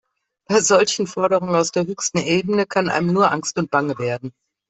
Bei solchen Forderungen aus der höchsten Ebene kann einem nur angst und bange werden.